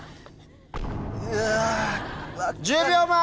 １０秒前！